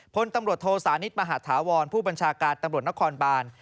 พลตำรวจโทสานิทมหาธาวรผู้บัญชาการตำรวจนครบาน